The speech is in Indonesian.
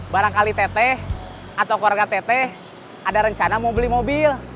barangkali teteh atau keluarga teteh ada rencana mau beli mobil